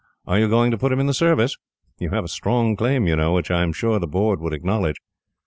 Are you going to put him in the Service? You have a strong claim, you know, which I am sure the Board would acknowledge."